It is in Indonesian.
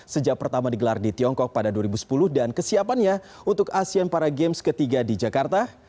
sejak pertama digelar di tiongkok pada dua ribu sepuluh dan kesiapannya untuk asean para games ketiga di jakarta